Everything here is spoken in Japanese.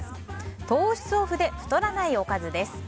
「糖質オフで太らないおかず」です。